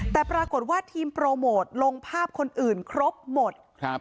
แต่ปรากฏว่าทีมโปรโมทลงภาพคนอื่นครบหมด